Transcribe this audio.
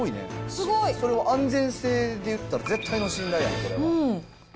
すごい！それは安全性でいったら、絶対の信頼やね、これは。